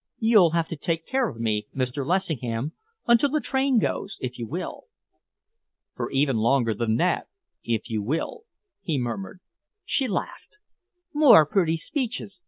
You'll have to take care of me, Mr. Lessingham, until the train goes, if you will." "For even longer than that, if you will," he murmured. She laughed. "More pretty speeches?